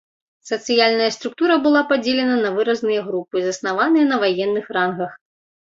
Сацыяльная структура была падзелена на выразныя групы, заснаваныя на ваенных рангах.